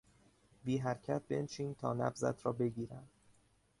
بی حرکت بنشین تا نبضت را بگیرم.